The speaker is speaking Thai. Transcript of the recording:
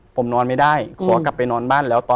เพราะว่าผมนอนไม่ได้